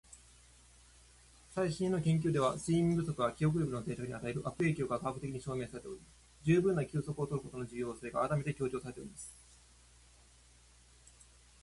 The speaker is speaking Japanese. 「最新の研究では、睡眠不足が記憶力の定着に与える悪影響が科学的に証明されており、十分な休息を取ることの重要性が改めて強調されています。」